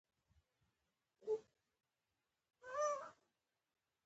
خوشحال خان خټک له دې جواز څخه ډېره کمه استفاده کړې.